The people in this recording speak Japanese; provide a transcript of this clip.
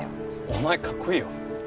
お前かっこいいよ。